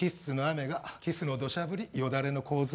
キスのどしゃ降りよだれの洪水。